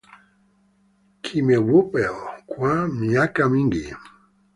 kimekuwepo kwa miaka mingi.